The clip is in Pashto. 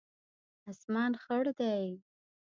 اسمان خړ دی